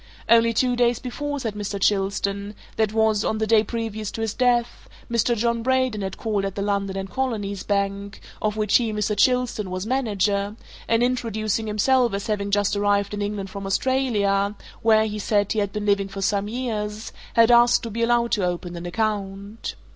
Only two days before, said Mr. Chilstone that was, on the day previous to his death Mr. John Braden had called at the London & Colonies Bank, of which he, Mr. Chilstone, was manager, and introducing himself as having just arrived in England from Australia, where, he said, he had been living for some years, had asked to be allowed to open an account.